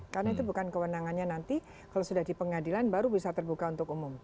karena itu bukan kewenangannya nanti kalau sudah di pengadilan baru bisa terbuka untuk umum